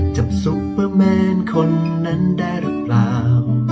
ซุปเปอร์แมนคนนั้นได้หรือเปล่า